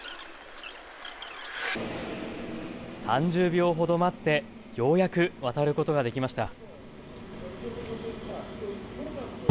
３０秒ほど待ってようやく渡ることができました。